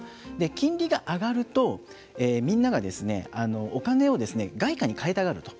金利が上がるとみんながお金を外貨に替えたがると。